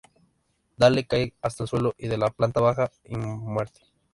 Dale cae hasta el suelo de la planta baja y muere.